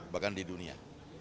bahkan di dunia